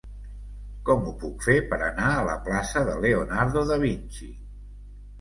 Com ho puc fer per anar a la plaça de Leonardo da Vinci?